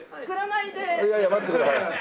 いやいや待ってください。